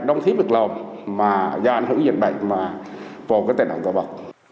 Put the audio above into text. đông thiết việc lộn mà do ảnh hưởng dịch bệnh mà vô cái tài đoạn cơ bạc